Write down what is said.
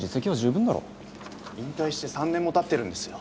引退して３年もたってるんですよ。